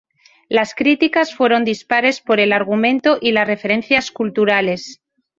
Las críticas fueron dispares por el argumento y las referencias culturales.